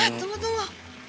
hah tunggu tunggu